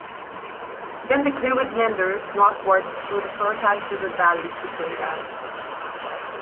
Then the Clwyd meanders northwards through the fertile Clwyd valley to Saint Asaph.